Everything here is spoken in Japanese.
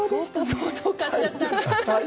相当買っちゃった。